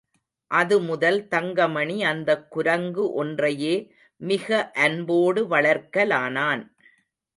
அதுமுதல் தங்கமணி அந்தக் குரங்கு ஒன்றையே மிக அன்போடு வளர்க்கலானான்.